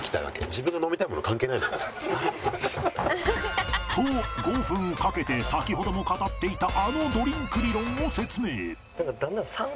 自分が飲みたいもの関係ないのよ。と５分かけて先ほども語っていたあのドリンク理論を説明。